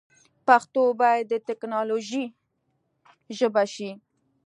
پښتو باید د ټیکنالوجۍ ژبه شي.